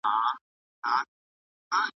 تاسو بايد د پوهي په ارزښت ځان خبر کړئ.